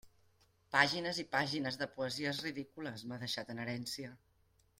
Pàgines i pàgines de poesies ridícules m'ha deixat en herència!